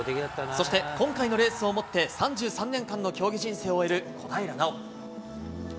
そして今回のレースをもって３３年間の競技人生を終える小平奈緒。